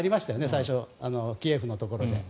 最初のキーウのところで。